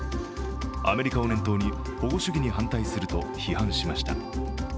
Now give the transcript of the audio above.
アメリカを念頭に、保護主義に反対すると批判しました。